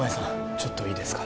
ちょっといいですか？